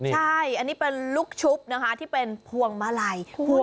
ใช่อันนี้เป็นลูกชุบที่เป็นพวงมาลัยพวงใหญ่มาก